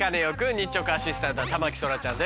日直アシスタントは田牧そらちゃんです。